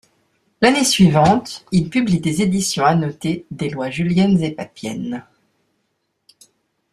L'année suivante, il publie des éditions annotées des lois juliennes et papienne.